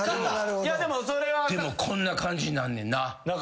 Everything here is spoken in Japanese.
でもこんな感じになんねんな。